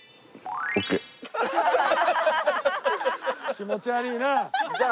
気持ち悪いなあ。